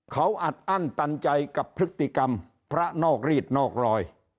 เขาอัดอั้นตันใจกับพฤติกรรมพระนอกรีดนอกรอย